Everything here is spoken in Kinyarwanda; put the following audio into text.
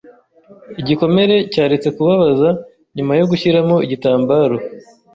Igikomere cyaretse kubabaza nyuma yo gushyiramo igitambaro.